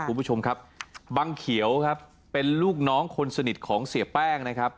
คุณผู้ชมครับบังเขียวครับเป็นลูกน้องคนสนิทของเสียแป้งนะครับ